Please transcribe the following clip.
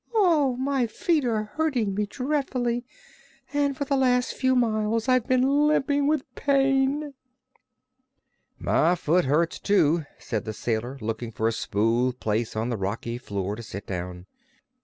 "My feet are hurting me dreadfully and for the last few miles I've been limping with pain." "My foot hurts, too," said the sailor, looking for a smooth place on the rocky floor to sit down.